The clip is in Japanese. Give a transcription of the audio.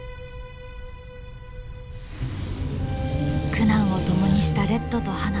苦難を共にしたレッドとハナ。